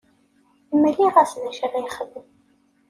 Mliɣ-as d acu ara yexdem.